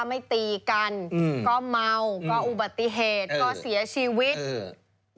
ถ้าไม่ตีกันก็เมาก็อุบัติเหตุก็เสียชีวิต